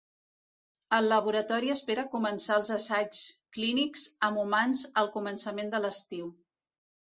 El laboratori espera començar els assaigs clínics amb humans al començament de l’estiu.